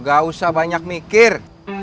gak usah banyak mikir